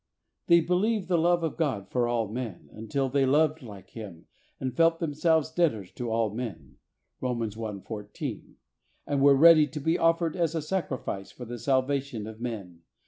They believed the love of God for all men, until they loved like Him, and felt themselves debtors to all men (Romans i: 14), and were ready to be offered as a sacrifice for the salvation of men.